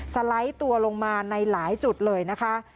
สไลด์ตัวลงมาในหลายจุดเลยนะคะ